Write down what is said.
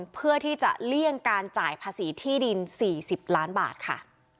เพื่อที่จะเลี่ยงการจ่ายภาษีที่ดิน๔๐ล้านบาทค่ะ